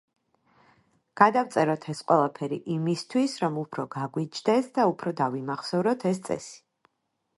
გადავწეროთ, ეს ყველაფერი იმისთვის, რომ უფრო გაგვიჯდეს და უფრო დავიმახსოვროთ ეს წესი.